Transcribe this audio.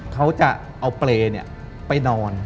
เขาจะเอาเปรย์ไปนอน